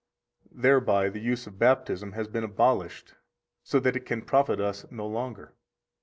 82 Thereby the use of Baptism has been abolished so that it can profit us no longer.